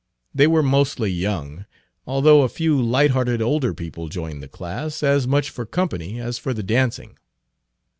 They were mostly young, although a few light hearted older people joined the class, as much for company as for the dancing.